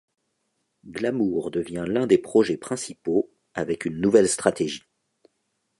Glamour devient l'un des projets principaux avec une nouvelle stratégie.